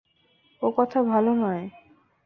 ও কথা ভালো নয়।